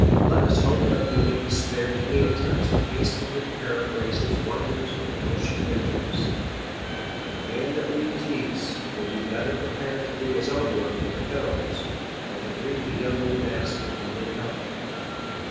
Let us hope that we may be spared any attempts to hastily paraphrase his wonders for the motion pictures. But the man that reads Yeats will be better prepared to do his own work in the films, or to greet the young new masters when they come.